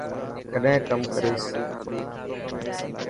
ڪڏهن ڪم ڪريس.